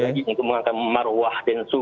untuk mengatakan maruah densus